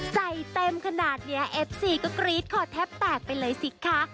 ใจเต็มขนาดนี้เอฟซีก็กรี๊ดคอแทบแตกไปเลยสิคะ